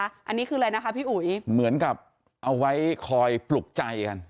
อันนี้คืออะไรนะคะพี่อุ๋ยเหมือนกับเอาไว้คอยปลุกใจกัน